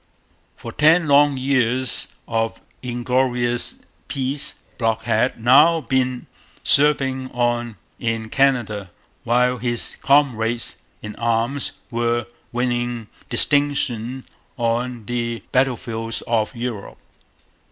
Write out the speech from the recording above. For ten long years of inglorious peace Brock had now been serving on in Canada, while his comrades in arms were winning distinction on the battlefields of Europe.